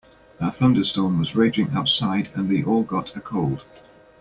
A thunderstorm was raging outside and they all got a cold.